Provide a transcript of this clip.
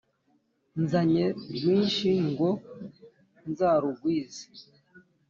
nzanye rwinshi ngo nzarugwize